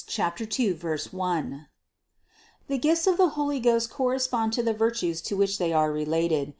462 THE CONCEPTION 463 600. The gifts of the Holy Ghost correspond to the virtues to which they are related.